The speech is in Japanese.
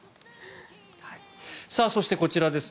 そして、こちらです。